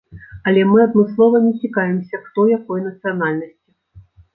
Але мы адмыслова не цікавімся, хто якой нацыянальнасці.